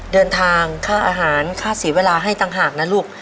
เดินทางค่าอาหารค่าเสียเวลาให้ต่างหากนะลูก